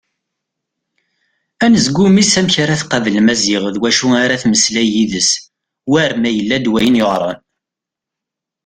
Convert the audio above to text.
Anezgum-is amek ara tqabel Maziɣ d wacu ara temmeslay yid-s war ma yella-d wayen yuɛren.